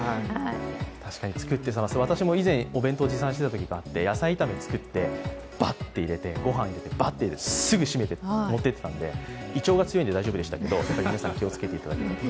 確かに作って冷ます、私も以前、お弁当を作っていたことがあって野菜炒め作って、バッと入れて、ごはんバッて入れてすぐ閉めて持っていっていたんで、胃腸が強いので大丈夫でしたけど、皆さん気をつけてください。